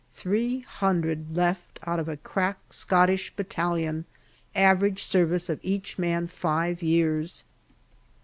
Three hundred left out of a crack Scottish battalion, average service of each man five years.